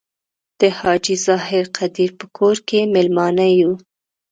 د حاجي ظاهر قدیر په کور کې میلمانه یو.